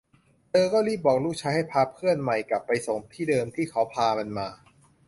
เธอก็รีบบอกลูกชายให้พาเพื่อนใหม่กลับไปส่งที่เดิมที่เขาพามันมา